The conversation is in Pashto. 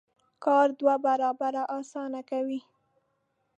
کار دوه برابره اسانه کوي.